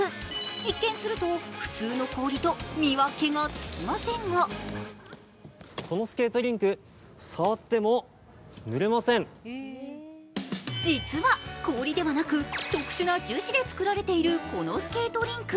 一見すると普通の氷と見分けがつきませんが実は氷ではなく、特殊な樹脂で作られているこのスケートリンク。